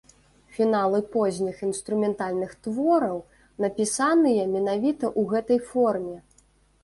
Фіналы позніх інструментальных твораў напісаныя менавіта ў гэтай форме.